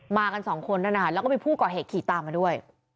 มากัน๒คนแล้วก็มีผู้ก่อเหตุขี่ตามมาด้วย